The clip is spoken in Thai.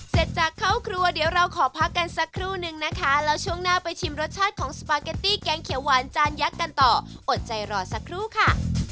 เสร็จจากเข้าครัวเดี๋ยวเราขอพักกันสักครู่นึงนะคะแล้วช่วงหน้าไปชิมรสชาติของสปาเกตตี้แกงเขียวหวานจานยักษ์กันต่ออดใจรอสักครู่ค่ะ